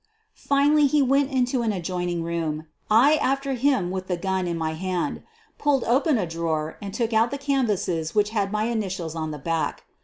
Finally he went into an adjoining room — I after him with the gun in my hand — pulled open a drawer and took out the canvasses which had my initials on the back.